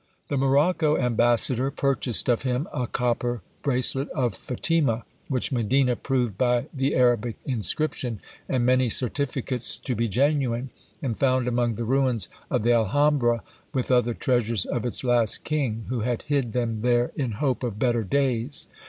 The Morocco ambassador purchased of him a copper bracelet of Fatima, which Medina proved by the Arabic inscription and many certificates to be genuine, and found among the ruins of the Alhambra, with other treasures of its last king, who had hid them there in hope of better days.